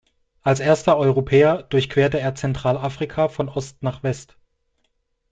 Als erster Europäer durchquerte er Zentralafrika von Ost nach West.